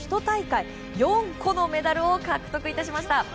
１大会４個のメダルを獲得致しました。